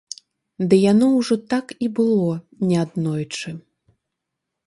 Ды яно ўжо так і было неаднойчы.